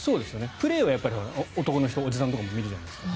プレーは男の人おじさんとかも見るじゃないですか